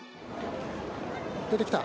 出てきた！